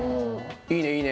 いいねいいね！